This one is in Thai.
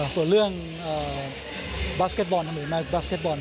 ส่วนเรื่องบาสเก็ตบอลหรือมาบาสเก็ตบอล